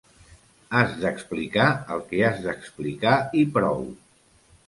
Has d’explicar el que has d’explicar i prou.